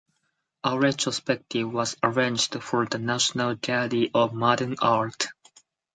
A retrospective was arranged for the National Gallery of Modern Art.